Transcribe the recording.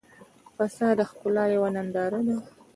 پسه د ښکلا یوه ننداره ده.